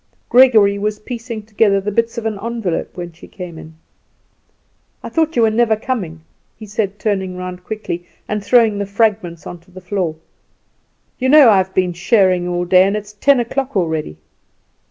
Gregory was piecing together the bits of an envelope when she came in. "I thought you were never coming," he said, turning round quickly, and throwing the fragments onto the floor. "You know I have been shearing all day, and it is ten o'clock already."